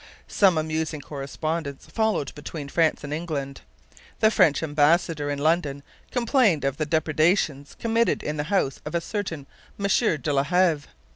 Some amusing correspondence followed between France and England. The French ambassador in London complained of the depredations committed in the house of a certain Monsieur de la Heve.